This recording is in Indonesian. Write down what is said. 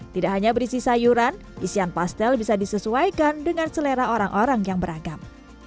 tidak hanya berisi sayuran isian pastel bisa disesuaikan dengan selera orang orang yang beragam